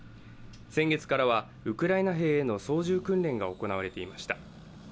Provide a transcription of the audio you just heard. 先月からはウクライナ兵への操縦訓練が行われていました。